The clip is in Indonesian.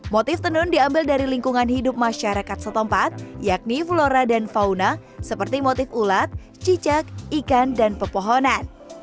motif tenun diambil dari lingkungan hidup masyarakat setempat yakni flora dan fauna seperti motif ulat cicak ikan dan pepohonan